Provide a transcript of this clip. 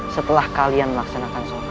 setelah kalian melaksanakan surat